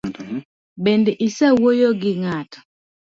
Bende isewuoyo gi ng'ato?